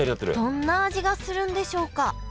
どんな味がするんでしょうか？